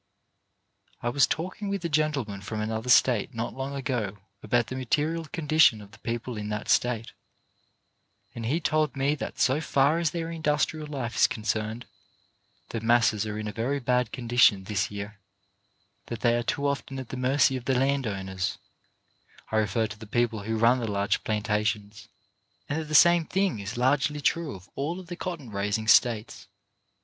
I was talking with a gentleman from another state not long ago about the material condi tion of the people in that state, and he told me that so far as their industrial life is concerned, the masses are in a very bad condition this year ; that they are too often at the mercy of the landowners — I refer to the persons who run the large plantations — and that the same thing is largely true of all of the cotton raising states.